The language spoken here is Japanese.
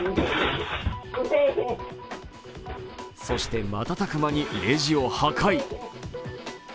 そして、瞬く間にレジを破壊。